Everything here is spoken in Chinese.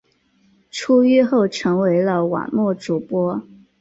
出狱后成为了网络主播。